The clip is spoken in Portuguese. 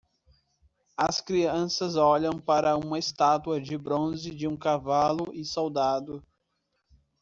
As crianças olham para uma estátua de bronze de um cavalo e soldado.